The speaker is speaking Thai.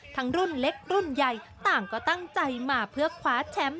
รุ่นเล็กรุ่นใหญ่ต่างก็ตั้งใจมาเพื่อคว้าแชมป์